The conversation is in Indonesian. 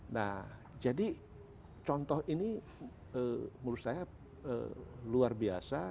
nah jadi contoh ini menurut saya luar biasa